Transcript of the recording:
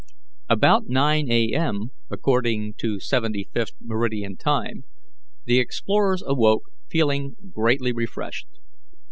About 9 A. M., according to seventy fifth meridian time, the explorers awoke feeling greatly refreshed.